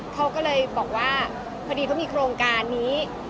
เขาก็เลยบอกว่าพอดีเขามีโครงการนี้